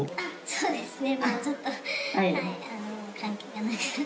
そうですね。